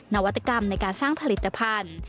นวัตกรรมในการสร้างผลิตภัณฑ์